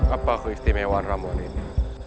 apa keistimewaan ramuan ini